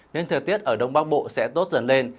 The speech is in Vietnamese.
nên thời tiết ở đông bắc bộ sẽ tốt dần lên